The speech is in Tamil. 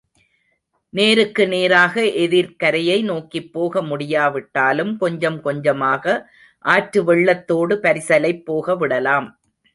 நேருக்கு நேராக எதிர்க்கரையை நோக்கிப் போக முடியாவிட்டாலும் கொஞ்சம் கொஞ்சமாக ஆற்று வெள்ளத்தோடு பரிசலைப் போகவிடலாம்.